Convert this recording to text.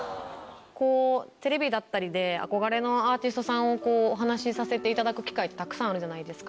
こう、テレビだったりで、憧れのアーティストさんとお話しさせていただく機会ってたくさんあるじゃないですか。